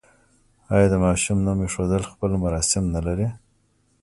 آیا د ماشوم نوم ایښودل خپل مراسم نلري؟